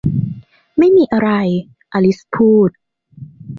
ไม่มีอะไร อลิซพูด